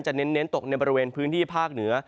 เน้นตกในบริเวณพื้นที่ภาคเหนือ